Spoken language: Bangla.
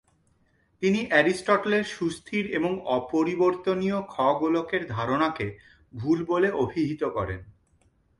তিনি এরিস্টটলের সুস্থির এবং অপরিবর্তনীয় খ-গোলকের ধারণাকে ভুল বলে অভিহিত করেন।